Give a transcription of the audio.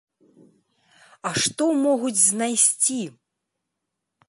А што могуць знайсці?!.